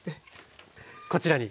こちらに。